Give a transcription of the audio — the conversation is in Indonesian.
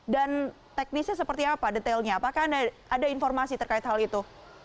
dan teknisnya seperti apa detailnya apakah ada informasi terkait hal itu